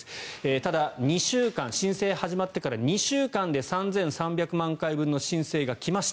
ただ、申請が始まってから２週間で３３００万回分の申請が来ました。